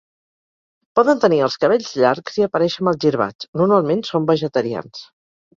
Poden tenir els cabells llargs i aparèixer malgirbats, normalment són vegetarians.